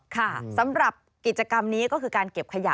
ค่ะสำหรับกิจกรรมนี้ก็คือการเก็บขยะ